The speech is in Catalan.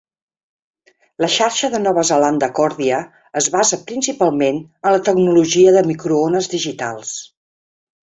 La xarxa de Nova Zelanda Kordia es basa principalment en la tecnologia de microones digitals.